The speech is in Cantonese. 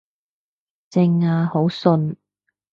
正呀，好順